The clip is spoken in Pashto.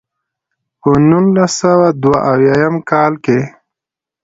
پۀ نولس سوه دوه اويا يم کال کښې